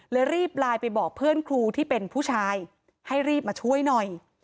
รีบไลน์ไปบอกเพื่อนครูที่เป็นผู้ชายให้รีบมาช่วยหน่อย